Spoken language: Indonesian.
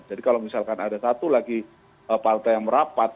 jadi kalau misalkan ada satu lagi partai yang merapat